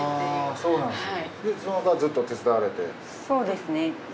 そうですね。